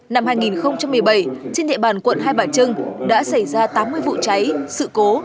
năm hai nghìn một mươi bảy trên địa bàn quận hai bà trưng đã xảy ra tám mươi vụ cháy sự cố